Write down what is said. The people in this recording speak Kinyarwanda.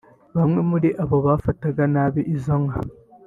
bamwe muri bo bagafata nabi izo nka